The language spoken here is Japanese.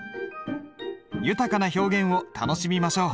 豊かな表現を楽しみましょう。